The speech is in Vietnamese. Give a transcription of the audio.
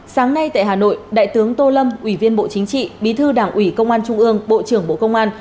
sáng nay tại hà nội đại tướng tô lâm ủy viên bộ chính trị bí thư đảng ủy công an trung ương bộ trưởng bộ công an